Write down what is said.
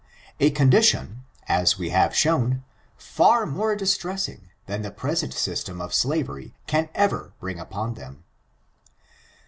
A condition, as we have shown, far more distressing than the present system of slavery can ever bring upon them.